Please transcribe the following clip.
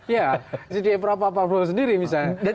ya di ebrahman pablo sendiri misalnya